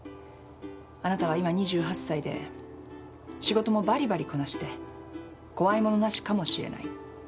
あなたは今２８歳で仕事もバリバリこなして怖いものなしかもしれない。